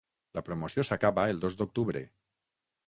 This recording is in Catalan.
La promoció s’acaba el dos d’octubre.